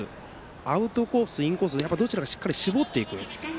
アウトコース、インコースどちらかしっかり絞っていく。